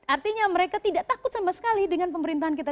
artinya mereka tidak takut sama sekali dengan pemerintahan kita